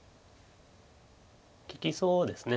利きそうです。